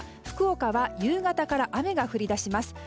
福岡は夕方から雨が降り出します。